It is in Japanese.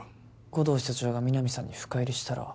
護道室長が皆実さんに深入りしたら